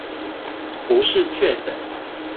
不是確診